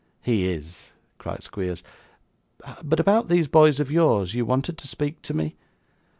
'He is,' cried Squeers. 'But about these boys of yours; you wanted to speak to me?